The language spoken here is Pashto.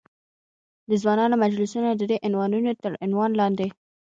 د ځوانانو مجلسونه، ددې عنوانونو تر عنوان لاندې.